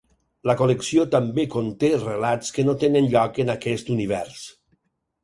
La col·lecció també conté relats que no tenen lloc en aquest univers.